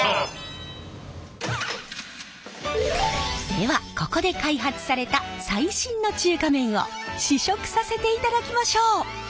ではここで開発された最新の中華麺を試食させていただきましょう！